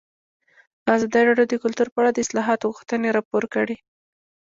ازادي راډیو د کلتور په اړه د اصلاحاتو غوښتنې راپور کړې.